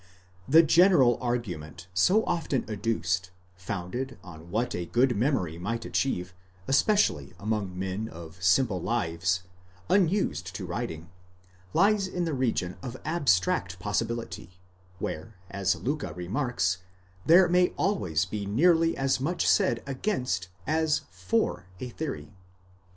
The general argument, so often adduced, founded on what a good memory might achieve, especially among men of simple lives, unused to writing, lies in the region of abstract possibility, where, as Liicke remarks, there may always be nearly as much said against as for a theory.